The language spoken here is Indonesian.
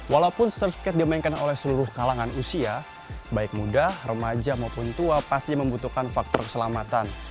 walaupun surfskate dimainkan oleh seluruh kalangan usia baik muda remaja maupun tua pasti membutuhkan faktor keselamatan